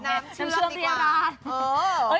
น้ำเชื่อมที่อย่างร้าน